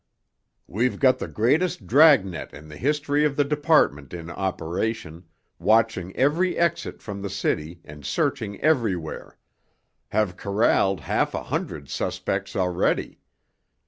"We've got the greatest dragnet in the history of the department in operation—watching every exit from the city and searching everywhere—have corralled half a hundred suspects already.